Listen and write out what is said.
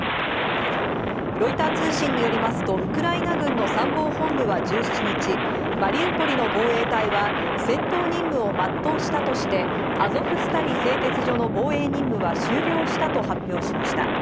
ロイター通信によりますとウクライナ軍の参謀本部は１７日、マリウポリの防衛隊は戦闘任務を全うしたとしてアゾフスタリ製鉄所の防衛任務は終了したと発表しました。